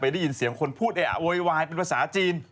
ได้ยินเสียงคนพูดเออะโวยวายเป็นภาษาจีน